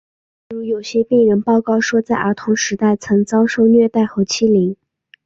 例如有些病人报告说在儿童时代曾遭受虐待和欺凌。